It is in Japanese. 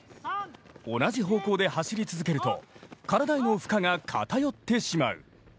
同じ方向で走り続けると体への負荷が偏ってしまう。